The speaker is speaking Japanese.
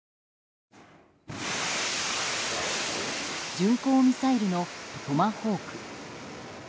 巡航ミサイルのトマホーク。